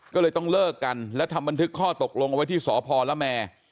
ก็เลยต้องเลิกกันแล้วทำบันทึกข้อตกลงเอาไว้ที่สพละแม